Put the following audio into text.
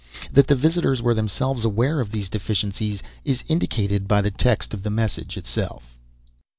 That the visitors were themselves aware of these deficiencies is indicated by the text of the message itself.